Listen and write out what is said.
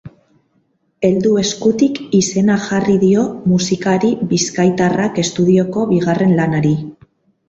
Heldu eskutik izena jarri dio musikari bizkaitarrak estudioko bigarren lanari.